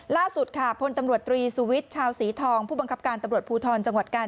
ล่าสุดค่ะพลตำรวจตรีสุวิทย์ชาวศรีทองผู้บังคับการตำรวจภูทรจังหวัดกาล